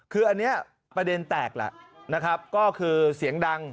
คืออันนี้ประเด็นแตกละก็คือเสียงดัง